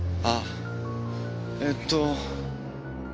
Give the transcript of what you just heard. あえっと。